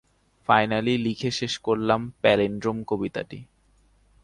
Finally লিখে শেষ করলাম প্যালিন্ড্রোম কবিতাটি।